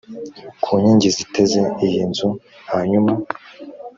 ku nkingi ziteze iyi nzu hanyuma